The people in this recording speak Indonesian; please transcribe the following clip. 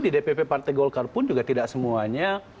di dpp partai golkar pun juga tidak semuanya